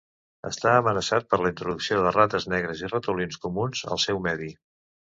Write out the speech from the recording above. Està amenaçat per la introducció de rates negres i ratolins comuns al seu medi.